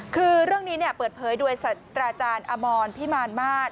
คือเรื่องนี้เปิดเผยโดยสัตว์อาจารย์อมรพิมารมาศ